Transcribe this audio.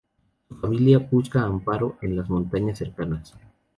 Su familia busca amparo en las montañas cercanas.